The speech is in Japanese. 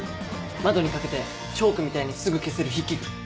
窓に描けてチョークみたいにすぐ消せる筆記具。